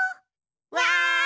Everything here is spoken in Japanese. わい！